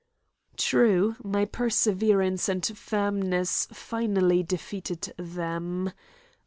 True, my perseverance and firmness finally defeated them.